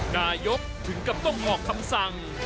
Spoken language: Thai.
นายกถึงกับต้องออกคำสั่ง